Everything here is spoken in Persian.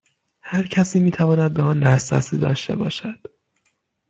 هر کسی میتواند به آن دسترسی داشته باشد